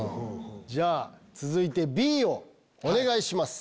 じゃあ続いてＢをお願いします。